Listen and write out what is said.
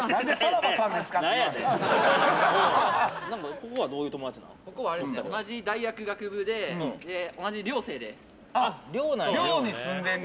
ここはどういう友達なの？